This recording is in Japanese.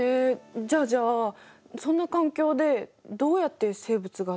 じゃあじゃあそんな環境でどうやって生物が誕生したの？